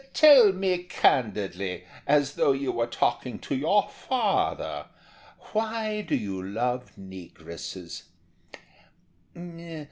Tell me candidly, as though you were talking to your father, why do you love negresses?"